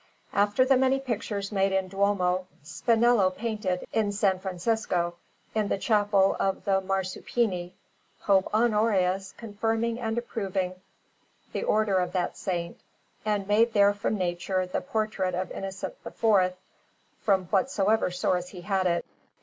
After the many pictures made in the Duomo, Spinello painted in S. Francesco, in the Chapel of the Marsuppini, Pope Honorius confirming and approving the Order of that Saint, and made there from nature the portrait of Innocent IV, from whatsoever source he had it.